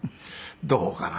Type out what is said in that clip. どうかな？